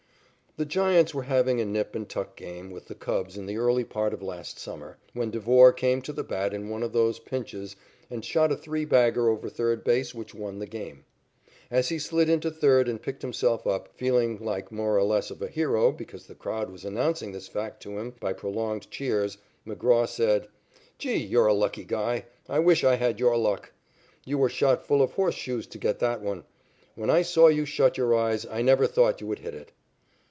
The Giants were having a nip and tuck game with the Cubs in the early part of last summer, when Devore came to the bat in one of those pinches and shot a three bagger over third base which won the game. As he slid into third and picked himself up, feeling like more or less of a hero because the crowd was announcing this fact to him by prolonged cheers, McGraw said: "Gee, you're a lucky guy. I wish I had your luck. You were shot full of horseshoes to get that one. When I saw you shut your eyes, I never thought you would hit it."